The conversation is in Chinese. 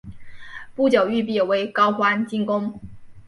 不久玉壁为高欢进攻。